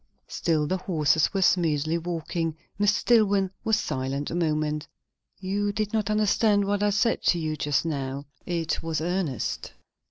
Still the horses were smoothly walking. Mr. Dillwyri was silent a moment. "You did not understand what I said to you just now. It was earnest."